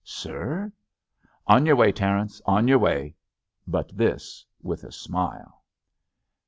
"Sir?" "On your way, Terence ; on your way !" but this with a smile.